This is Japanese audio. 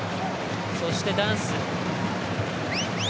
そしてダンス。